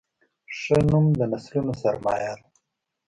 ښه نوم د نسلونو سرمایه ده.